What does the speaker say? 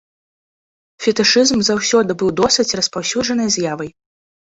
Фетышызм заўсёды быў досыць распаўсюджанай з'явай.